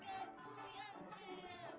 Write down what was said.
sikapmu yang menangguhkan